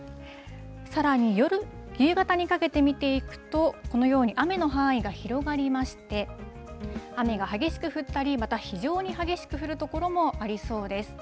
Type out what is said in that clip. さらに夕方にかけて見ていくと、このように雨の範囲が広がりまして、雨が激しく降ったり、また非常に激しく降る所もありそうです。